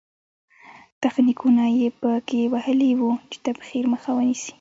تخنیکونه یې په کې وهلي وو چې تبخیر مخه ونیسي.